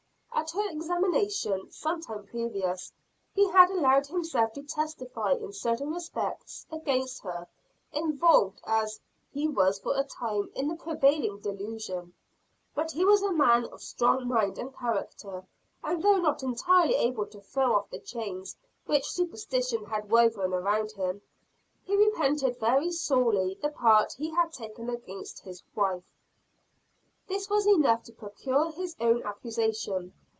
At her examination, some time previous, he had allowed himself to testify in certain respects against her; involved as he was for a time in the prevailing delusion. But he was a man of strong mind and character; and though not entirely able to throw off the chains which superstition had woven around him, he repented very sorely the part he had taken against his wife. This was enough to procure his own accusation.